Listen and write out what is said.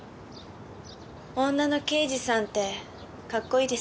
女の刑事さんってかっこいいですね。